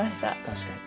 確かに。